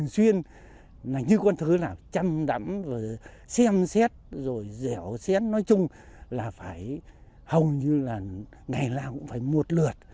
xem xét rồi dẻo xét nói chung là phải hầu như là ngày nào cũng phải một lượt